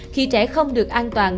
khi trẻ không được an toàn